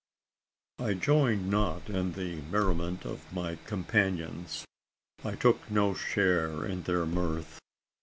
I joined not in the merriment of my companions. I took no share in their mirth.